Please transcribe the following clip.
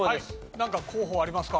なんか候補ありますか？